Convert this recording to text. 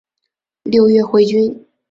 六月回军。